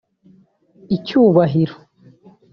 icyubahiro